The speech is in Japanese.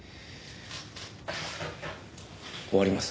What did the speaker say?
終わります。